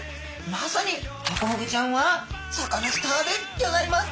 まさにハコフグちゃんはサカナスターでギョざいます。